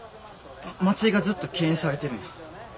あ松井がずっと敬遠されてるんや。